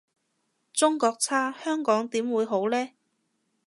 中國差香港點會好呢？